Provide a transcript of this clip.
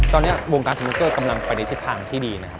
ตอนนี้วงการสนุกเกอร์กำลังไปในทิศทางที่ดีนะครับ